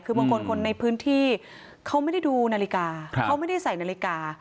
คือบางคนคนในพื้นที่เขาไม่ได้ดูนาฬิกาเขาไม่ได้ใส่นาฬิกา